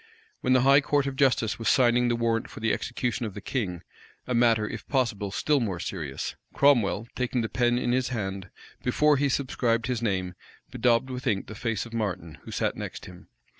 When the high court of justice was signing the warrant for the execution of the king, a matter, if possible, still more serious, Cromwell, taking the pen in his hand, before he subscribed his name, bedaubed with ink the face of Martin, who sat next him.